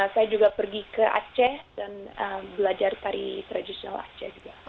saya juga pergi ke aceh dan belajar tari tradisional aceh juga